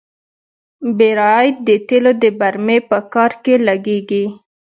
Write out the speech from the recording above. بیرایت د تیلو د برمې په کار کې لګیږي.